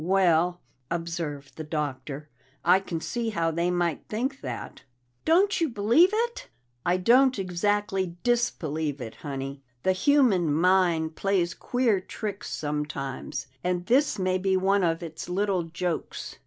"Well," observed the Doctor, "I can see how they might think that." "Don't you believe it?" "I don't exactly disbelieve it, Honey. The human mind plays queer tricks sometimes, and this may be one of its little jokes.